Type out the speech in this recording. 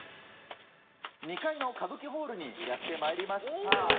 ２階のカブキホールにやってまいりました。